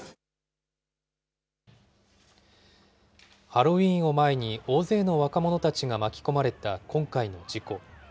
ハロウィーンを前に大勢の若者たちが巻き込まれた今回の事故。